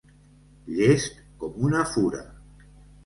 Llest com una fura.